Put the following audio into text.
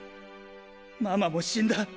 ママも死んだ！